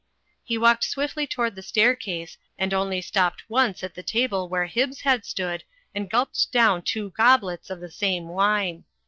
He walked swiftly toward the staircase, and only stopped once at the table where Hibbs had stood and gulped down two goblets of the same wine.